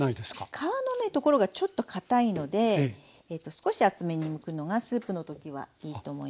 皮のところがちょっとかたいので少し厚めにむくのがスープの時はいいと思います。